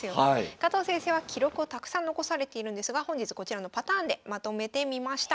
加藤先生は記録をたくさん残されているんですが本日こちらのパターンでまとめてみました。